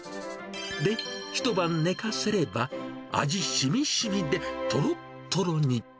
で、一晩寝かせれば、味しみしみで、とろっとろに。